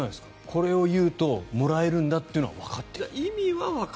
これを言うともらえるんだっていうのはわかっている。